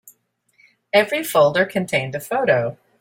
Every folder contained a photo.